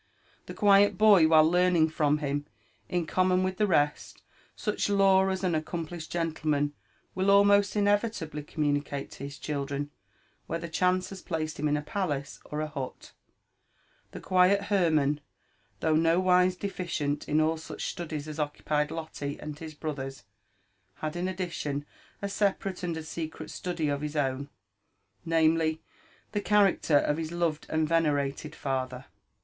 The quiet boy, while learning from him, in common with the rest, such lore as an accomplished gentleman wiH almost inevitably commu nicate to his children, whether chance has placed him in a palace or a hut, the quiet Hermann, though nowise deflcient in all such studies as occupied Lotte and his brothers, had in addition a separate and a secret study of his own, — namely, .the character of his loved and venerated father.